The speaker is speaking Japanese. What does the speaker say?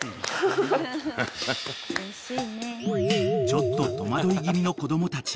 ［ちょっと戸惑い気味の子供たち］